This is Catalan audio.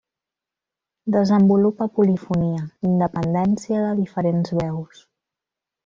Desenvolupa polifonia, independència de diferents veus.